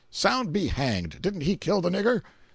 "Sound be hanged! Didn't he kill the nigger?"